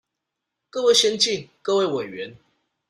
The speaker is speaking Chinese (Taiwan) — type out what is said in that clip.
各位先進、各位委員